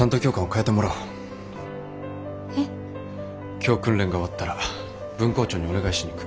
今日訓練が終わったら分校長にお願いしに行く。